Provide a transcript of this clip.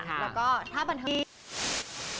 แล้วก็ถ้าบันทึก